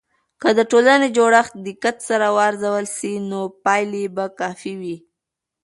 که د ټولنې جوړښت دقت سره ارزول سي، نو پایلې به کافي وي.